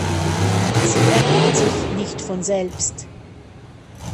Sie ergibt sich nicht von selbst.